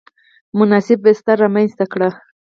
مناسب بستر رامنځته کړ.